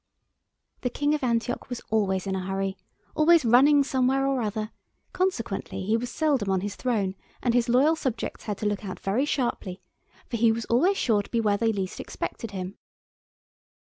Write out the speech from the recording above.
The King of Antioch was always in a hurry, always running somewhere or other, consequently he was seldom on his throne, and his loyal subjects had to look out very sharply, for he was always sure to be where they least expected him.